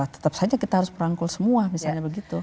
tetap saja kita harus merangkul semua misalnya begitu